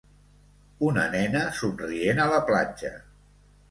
Una nena somrient a la platja.